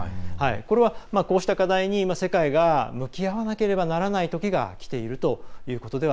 これは、こうした課題に世界が向き合わなければならないときがきているということでは